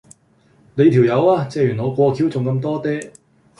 你條友呀，借完我過橋仲咁多嗲